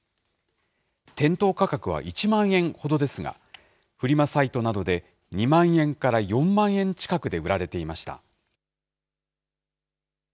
店頭価格は１万円ほどですが、フリマサイトなどで２万円から４万円近くで売られていました。